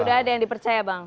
sudah ada yang dipercaya bang